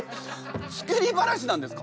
作り話なんですか？